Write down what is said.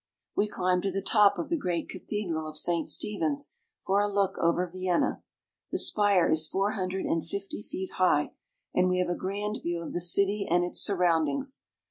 We climb to the top of the great cathedral of Saint Ste phen's for a look over Vienna. The spire is four hundred and fifty feet high, and we have a grand view of the city and its surroundings.